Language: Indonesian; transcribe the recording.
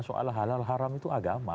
soal halal haram itu agama